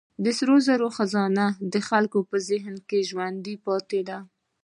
د سرو زرو خزانه د خلکو په ذهن کې ژوندۍ پاتې ده.